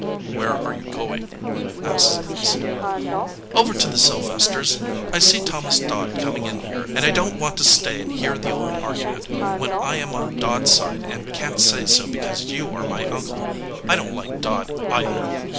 "Where are you going?" asked Zenas. "Over to the Sylvesters . I see Thomas Dodd coming in here, and I don t want to stay and hear the old argument, when I am on Dodd s side and can t say so because you are my uncle. I don t like Dodd, either."